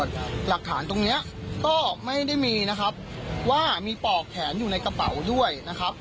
หลักฐานตรงเนี้ยก็ไม่ได้มีนะครับว่ามีปอกแขนอยู่ในกระเป๋าด้วยนะครับ